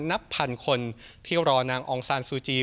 นับพันคนที่รอนางองซานซูจี